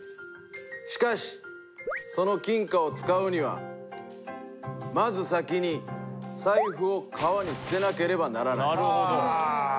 しかしその金貨を使うにはまず先に財布を川に捨てなければならない。